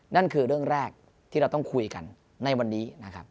นั่นคือเรื่องแรกที่เราต้องคุยกันในวันนี้นะครับ